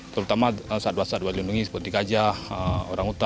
terutama sadwa sadwa lindungi seperti gajah orang hutan